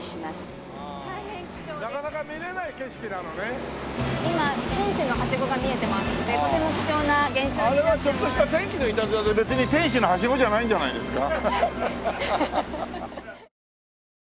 あれはちょっとした天気のいたずらで別に天使のはしごじゃないんじゃないですか？